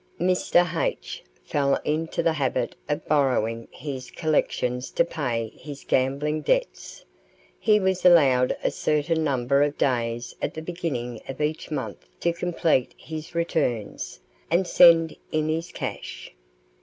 Mr. H. fell into the habit of borrowing his collections to pay his gambling debts. He was allowed a certain number of days at the beginning of each month to complete his returns, and send in his cash.